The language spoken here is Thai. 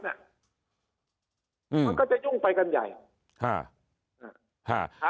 ว่าเขาบิดเขากวบอะไรต่าง